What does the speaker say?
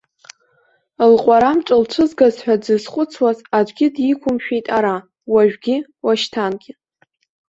Лҟәарамҿ лцәызгаз ҳәа дзызхәыцуаз аӡәгьы диқәымшәеит ара, уажәгьы уашьҭангьы.